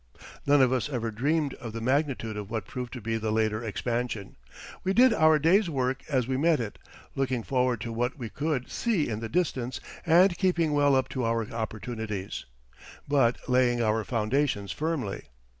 None of us ever dreamed of the magnitude of what proved to be the later expansion. We did our day's work as we met it, looking forward to what we could see in the distance and keeping well up to our opportunities, but laying our foundations firmly.